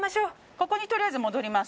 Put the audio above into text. ここにとりあえず戻ります。